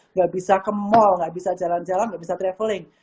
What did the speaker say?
nggak bisa ke mall nggak bisa jalan jalan nggak bisa traveling